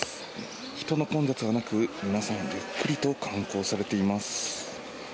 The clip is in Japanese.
人の混雑はなく、皆さんゆっくりと観光されています。